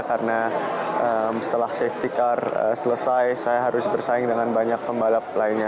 karena setelah safety car selesai saya harus bersaing dengan banyak pembalap lainnya